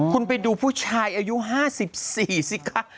คุณไปดูผู้ชายอายุห้าสิบสี่สิคะ